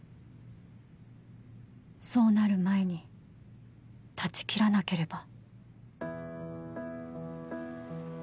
そうなる前に断ち切らなければ。